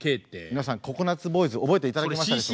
皆さんココナッツボーイズ覚えて頂けましたでしょうか？